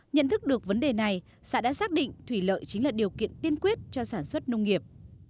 nhận thức được vấn đề này xã đã xác định thủy lợi chính là điều kiện tiên quyết cho sản xuất nông nghiệp